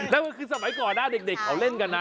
แล้วมันคือสมัยก่อนนะเด็กเขาเล่นกันนะ